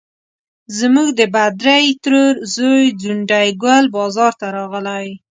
زموږ د بدرۍ ترور زوی ځونډي ګل بازار ته راغلی.